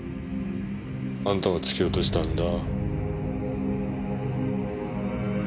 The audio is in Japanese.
あんたが突き落としたんだ。